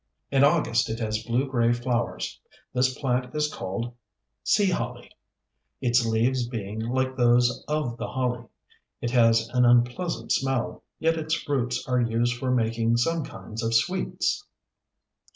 In August it has blue grey flowers. This plant is called Sea Holly, its leaves being like those of the holly. It has an unpleasant smell, yet its roots are used for making some kinds of sweets.